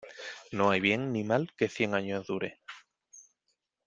No hay bien ni mal que cien años dure.